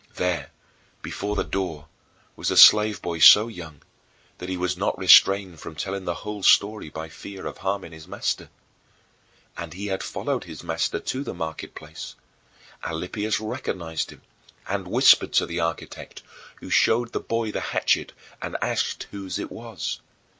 There, before the door, was a slave boy so young that he was not restrained from telling the whole story by fear of harming his master. And he had followed his master to the market place. Alypius recognized him, and whispered to the architect, who showed the boy the hatchet and asked whose it was.